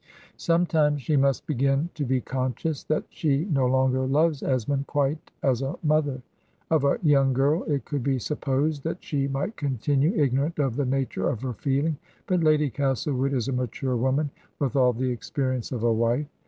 Sometime she must begin to be conscious that she no longer loves Esmond quite as a mother; of a young girl it could be supposed that she might continue ig norant of the nature of her feeling, but Lady Castle * wood is a mature woman, with all the experience of a wife.